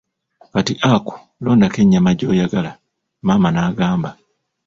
Kati Aku, londako ennyama gy'oyagala, maama n'agamba.